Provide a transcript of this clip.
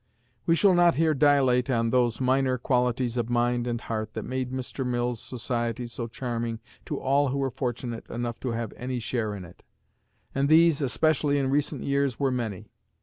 We shall not here dilate on those minor qualities of mind and heart that made Mr. Mill's society so charming to all who were fortunate enough to have any share in it; and these, especially in recent years, were many.